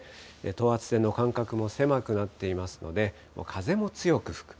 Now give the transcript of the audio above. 等圧線の間隔も狭くなっていますので、風も強く吹く。